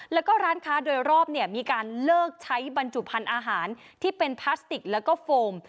แล้วก็ร้านค้าโดยรอบเนี่ยมีการเลิกใช้บรรจุพันธุ์อาหารที่เป็นพลาสติกแล้วก็โฟม